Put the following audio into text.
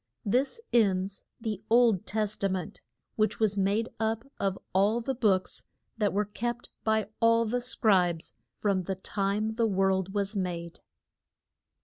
This ends the Old Tes ta ment, which was made up of all the books that were kept by all the scribes from the time the world was made.